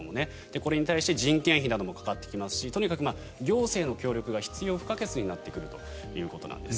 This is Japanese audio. これに対して人件費などもかかってきますしとにかく、行政の協力が必要不可欠になってくるということなんです。